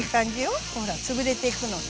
ほら潰れていくのね。